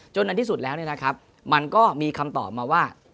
ในที่สุดแล้วมันก็มีคำตอบมาว่า